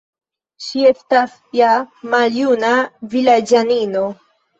Ŝi estas ja maljuna vilaĝanino.